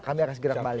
kami akan segera kembali